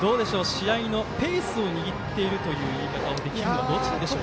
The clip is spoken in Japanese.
試合のペースを握っているという言い方をできるのはどちらでしょうか。